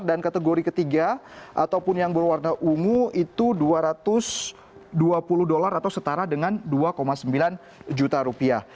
dan kategori ketiga ataupun yang berwarna ungu itu dua ratus dua puluh dolar atau setara dengan dua sembilan juta rupiah